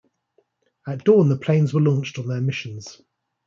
At dawn the planes were launched on their missions.